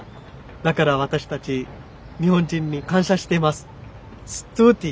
だから私たち日本人に感謝しています。